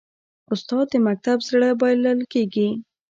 استاد د مکتب زړه بلل کېږي.